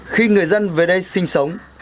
khi người dân về đây sinh sống